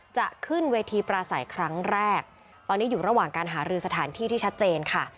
จะขึ้นเวทีปราศัยครั้งแรกตอนนี้อยู่ระหว่างการหารือสถานที่ที่ชัดเจนค่ะ